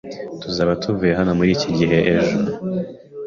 Tuzaba tuvuye hano muri iki gihe ejo